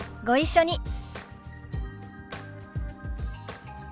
ご一緒に。